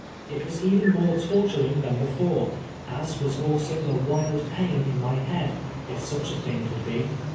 It was even more torturing than before, as was also the wild pain in my head, if such a thing could be.